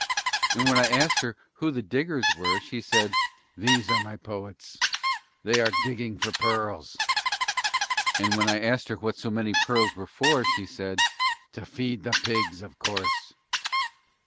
And when I asked her who the diggers were she said, "These are my poets, they are digging for pearls." And when I asked her what so many pearls were for she said to me: "To feed the pigs of course."